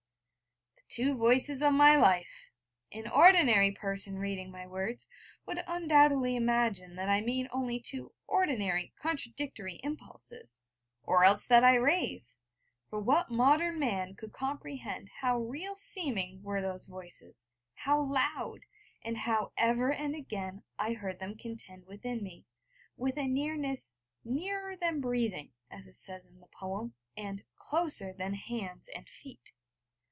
The two Voices of my life! An ordinary person reading my words would undoubtedly imagine that I mean only two ordinary contradictory impulses or else that I rave: for what modern man could comprehend how real seeming were those voices, how loud, and how, ever and again, I heard them contend within me, with a nearness 'nearer than breathing,' as it says in the poem, and 'closer than hands and feet.'